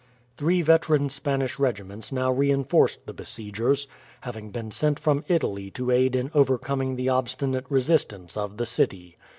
Three veteran Spanish regiments now reinforced the besiegers, having been sent from Italy to aid in overcoming the obstinate resistance of the city.